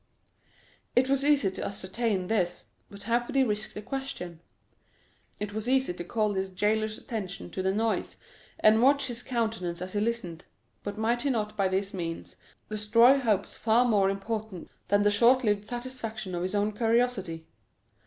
It was easy to ascertain this; but how could he risk the question? It was easy to call his jailer's attention to the noise, and watch his countenance as he listened; but might he not by this means destroy hopes far more important than the short lived satisfaction of his own curiosity?